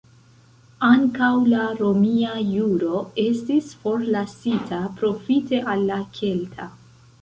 Ankaŭ la romia juro estis forlasita profite al la kelta.